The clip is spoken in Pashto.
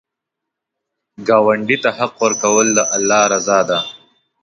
ګاونډي ته حق ورکول، د الله رضا ده